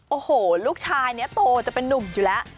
โอ้โหลูกชายนี้โตจะเป็นนุ่มอยู่แล้ว